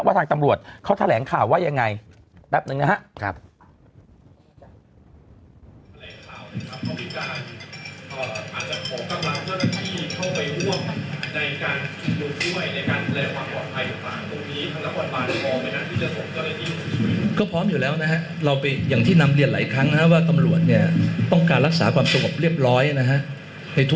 ว่าทางตำรวจเขาแถลงข่าวว่ายังไง